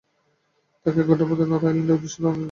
তাকে এক ঘন্টার মধ্যে নর্থ আইল্যান্ডের উদ্দেশ্যে রওনা করাতে চাই।